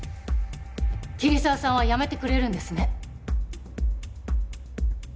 桐沢さんは辞めてくれるんですね？